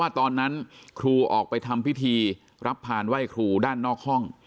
ตอนนั้นครูออกไปทำพิธีรับพานไหว้ครูด้านนอกห้อง